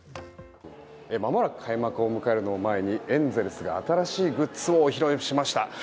まもなく開幕を迎えるのを前にエンゼルスが新しいグッズをお披露目しました。